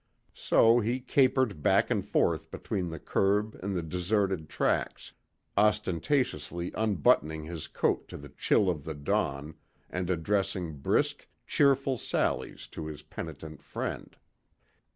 So he capered back and forth between the curb and the deserted tracks, ostentatiously unbuttoning his coat to the chill of the dawn and addressing brisk, cheerful sallies to his penitent friend.